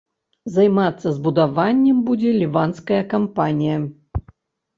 Займацца збудаваннем будзе ліванская кампанія.